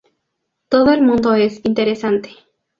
Todo el mundo es interesante.